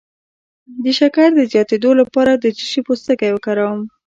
د شکر د زیاتیدو لپاره د څه شي پوستکی وکاروم؟